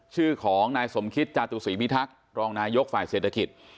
ชื่อของนายสมคิตจาตุศีพิทักษ์รองนายกฝ่ายเศรษฐกิจ